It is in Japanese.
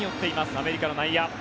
アメリカの内野。